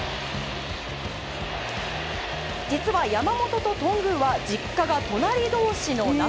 実は、山本と頓宮は実家が隣同士の仲。